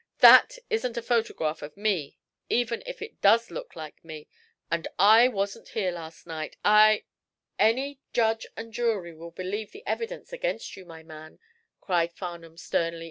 "That isn't a photograph of me, even if it does look like me, and I wasn't here last night. I " "Any judge and jury will believe the evidence against you, my man," cried Farnum, sternly.